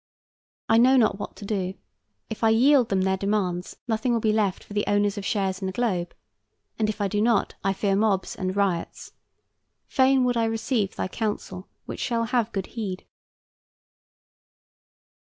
I know not what to do. If I yield them their demands, nothing will be left for the owners of shares in the Globe; and if I do not, I fear mobs and riots. Fain would I receive thy counsel, which shall have good heed.